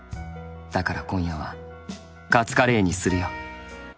だから今夜はカツカレーにするよ」。